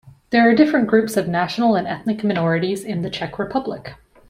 There are different groups of national and ethnic minorities in the Czech Republic.